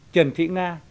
trần thị nga